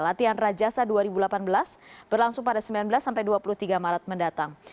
latihan rajasa dua ribu delapan belas berlangsung pada sembilan belas sampai dua puluh tiga maret mendatang